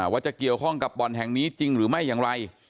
ว่าจะเกี่ยวข้องกับบ่อนแห่งนี้จริงหรือไม่อย่างไร